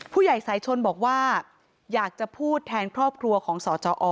ผู้ใหญ่สายชนบอกว่าอยากจะพูดแทนครอบครัวของสจอ